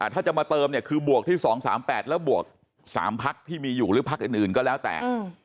ถ้าจะมาเติมเนี่ยคือบวกที่๒๓๘แล้วบวก๓พักที่มีอยู่หรือพักอื่นก็แล้วแต่